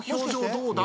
どうだ！？